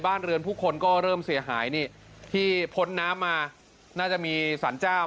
บ้านเรือนผู้คนก็เริ่มเสียหายนี่ที่พ้นน้ำมาน่าจะมีสรรเจ้า